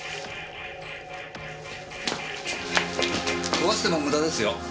壊しても無駄ですよ。